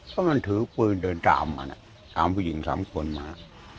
ก็มันถือปืนเดินตามมานะตามผู้หญิงสามคนมา